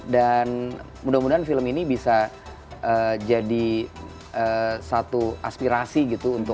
dan mudah mudahan film ini bisa jadi satu aspirasi gitu